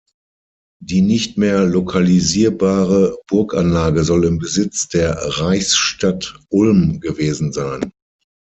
Die nicht mehr lokalisierbare Burganlage soll im Besitz der Reichsstadt Ulm gewesen sein.